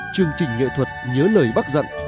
chương trình nghệ thuật nhớ lời bác dặn